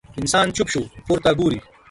انسان چوپ شو، پورته ګوري.